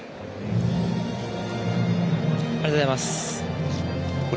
ありがとうございます。